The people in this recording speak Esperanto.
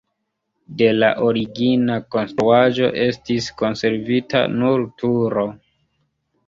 De la origina konstruaĵo estis konservita nur turo.